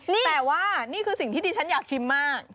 แต่ว่านี่คือสิ่งที่ดิฉันอยากชิมมาก